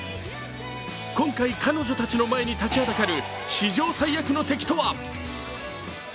今回彼女たちの前に立ちはだかる史上最悪の敵とは。